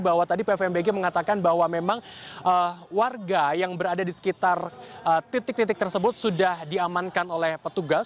bahwa tadi pvmbg mengatakan bahwa memang warga yang berada di sekitar titik titik tersebut sudah diamankan oleh petugas